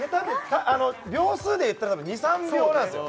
秒数でいったら２３秒なんすよ